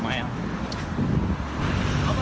มีคลิปก่อนนะครับ